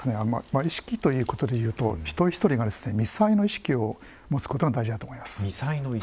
意識ということで言うと一人一人が「未災」の意識を持つことが大事だと思います。